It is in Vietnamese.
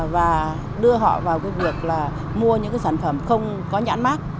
và đưa họ vào cái việc là mua những cái sản phẩm không có nhãn mát